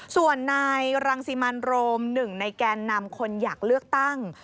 ส่วนนายรังสิมันโรมหนึ่งในแกนนำคนอยากเลือกตั้ง